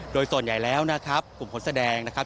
โดยส่วนใหญ่แล้วนะครับกลุ่มคนแสดงนะครับ